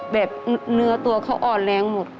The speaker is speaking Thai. เนื้อตัวเขาอ่อนแรงหมด